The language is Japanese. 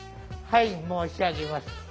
はい申し上げます。